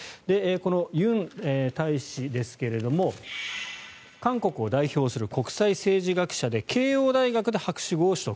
このユン大使ですが韓国を代表する国際政治学者で慶應大学で博士号を取得。